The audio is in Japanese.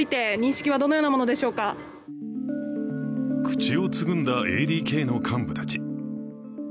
口をつぐんだＡＤＫの幹部たち。